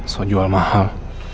soal jual mahal